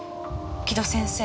城戸先生